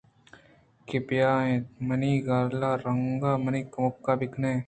کہ بیا اَنتءُ منی غلّہ ءِ رُنَگءَمنی کُمکّءَبِہ کناں